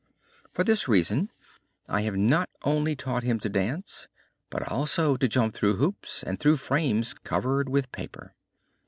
For this reason I have not only taught him to dance, but also to jump through hoops and through frames covered with paper.